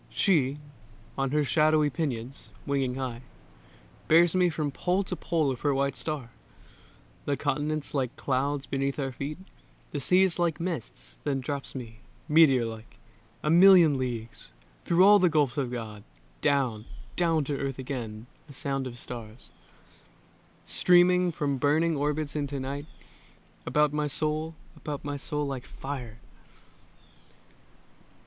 She, on her shadowy pinions, winging high, Bears me from pole to pole of her white star, The continents like clouds beneath our feet, The seas like mists; then drops me, meteor like, A million leagues, through all the gulfs of God, Down, down to Earth again; a sound of stars, Streaming from burning orbits into night, About my soul, about my soul like fire.